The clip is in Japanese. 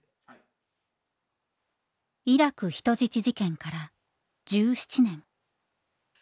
イラク人質事件から１７年。